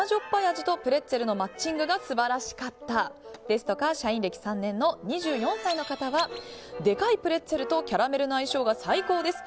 味とプレッツェルのマッチングが素晴らしかったですとか社員歴３年の２４歳の方はでかいプレッツェルとキャラメルの相性が最高です。